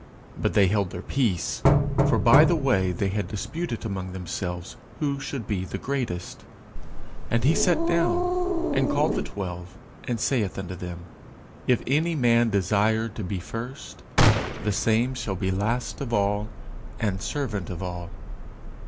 But they held their peace: for by the way they had disputed among themselves who should be the greatest. And he sat down, and called the twelve, and saith unto them, If any man desire to be first, the same shall be last of all, and servant of all.